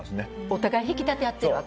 お互い引き立て合ってるわ。